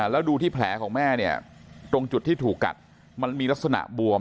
แล้วดูที่แผลของแม่เนี่ยตรงจุดที่ถูกกัดมันมีลักษณะบวม